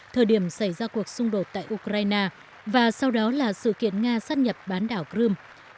thời điểm xảy ra cuộc xung đột tại ukraine và sau đó là sự kiện nga sát nhập bán đảo crimea